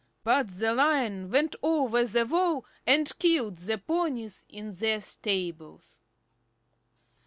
But the Lion went over the wall, and killed the ponies in their stables.